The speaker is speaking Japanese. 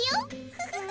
フフフ。